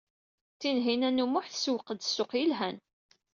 Tinhinan u Muḥ tsewweq-d ssuq yelhan.